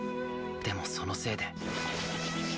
でもそのせいでーー。